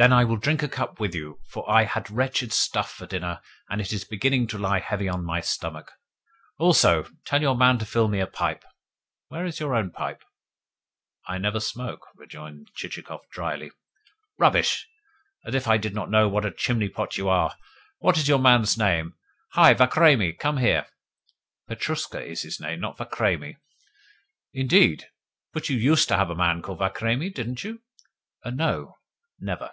Then I will drink a cup with you, for I had wretched stuff for dinner, and it is beginning to lie heavy on my stomach. Also, tell your man to fill me a pipe. Where is your own pipe?" "I never smoke," rejoined Chichikov drily. "Rubbish! As if I did not know what a chimney pot you are! What is your man's name? Hi, Vakhramei! Come here!" "Petrushka is his name, not Vakhramei." "Indeed? But you USED to have a man called Vakhramei, didn't you?" "No, never."